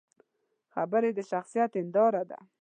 خبرې د شخصیت هنداره ده